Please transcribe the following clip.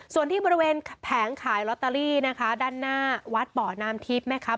ส่วนที่บริเวณแผงขายลอตเตอรี่นะคะด้านหน้าวัดบ่อน้ำทิพย์นะครับ